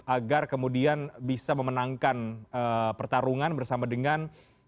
agar kemudian bisa memenangkan pertarungan bersama dengan